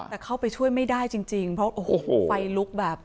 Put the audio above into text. แต่เข้าไปช่วยไม่ได้จริงเพราะโอ้โหไฟลุกแบบ